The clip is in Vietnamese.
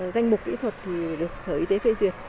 danh mục kỹ thuật thì được sở y tế phê duyệt